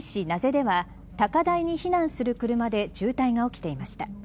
名瀬では高台に避難する車で渋滞が起きていました。